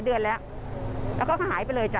เมื่อคืนก็ออกหาอยู่ค่ะ